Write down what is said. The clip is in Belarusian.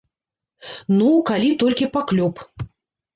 Ну, калі толькі паклёп.